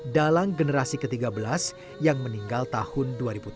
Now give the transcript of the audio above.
dalang generasi ke tiga belas yang meninggal tahun dua ribu tiga belas